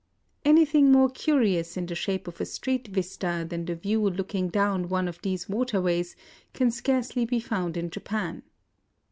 Anything more curious in the shape of a street vista than the view looking down one of these waterways can scarcely be found in Japan.